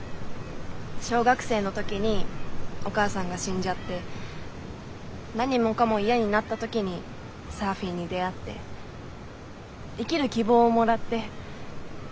小学生の時にお母さんが死んじゃって何もかも嫌になった時にサーフィンに出会って生きる希望をもらって。